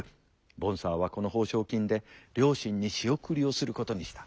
ボンサーはこの報奨金で両親に仕送りをすることにした。